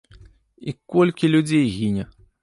І колькі людзей гіне!